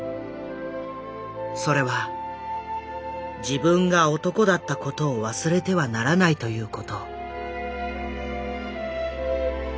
それは自分が男だった事を忘れてはならないという事。